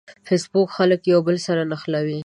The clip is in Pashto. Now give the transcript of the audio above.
فېسبوک خلک یو بل سره نښلوي